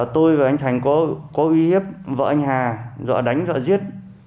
tôi và anh thành có uy hiếp vợ anh hà dọa đánh dọa giết